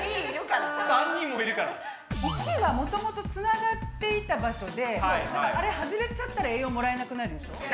①はもともとつながっていた場所であれ外れちゃったら栄養もらえなくなるでしょう。